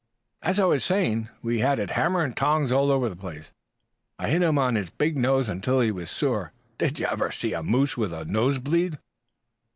"As I was saying, we had it hammer and tongs all over the place. I hit him on his big nose until it was sore. Did you ever see a moose with a nose bleed?"